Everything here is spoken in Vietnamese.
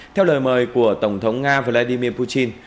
theo lời mời của tổng thống nga vladimir putin